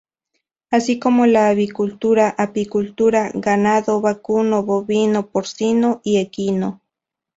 Así como la avicultura, apicultura, ganado vacuno, bovino, porcino y equino.